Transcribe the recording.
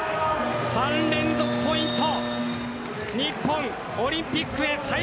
３連続ポイント。